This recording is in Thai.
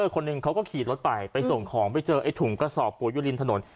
คนหนึ่งเขาก็ขี่รถไปไปส่งของไปเจอไอ้ถุงกระสอบปุ๋ยอยู่ริมถนน